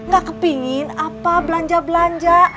gak kepingin apa belanja belanja